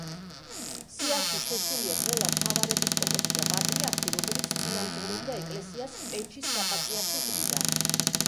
სიაში შესულია ყველა მთავარეპისკოპოსი და პატრიარქი, რომელიც წინამძღოლობდა ეკლესიას პეჩის საპატრიარქოს დღიდან.